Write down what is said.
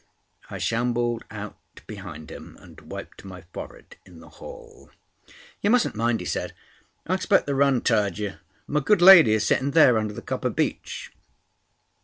I shambled out behind him, and wiped my forehead in the hall. "You musn't mind," he said. "I expect the run tired you. My good lady is sitting there under the copper beech."